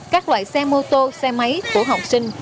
các loại xe mô tô xe máy của học sinh